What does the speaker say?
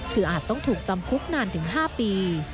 คืออาจต้องถูกจำคุกนานถึง๕ปี